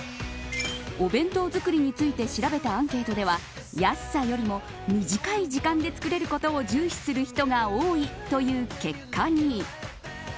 お弁当作りについて調べたアンケートでは安さよりも短い時間で作れることを重視する人が多いという結果に。